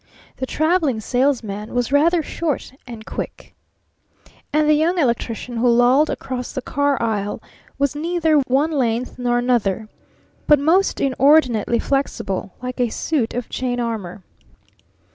The Traveling Salesman was rather short and quick. And the Young Electrician who lolled across the car aisle was neither one length nor another, but most inordinately flexible, like a suit of chain armor.